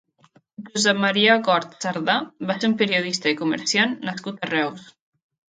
Josep Maria Gort Sardà va ser un periodista i comerciant nascut a Reus.